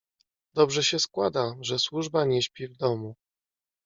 "Dobrze się składa, że służba nie śpi w domu."